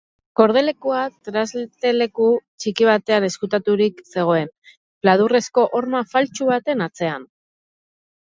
Gordelekua trasteleku txiki batean ezkutaturik zegoen, pladurrezko horma faltsu baten atzean.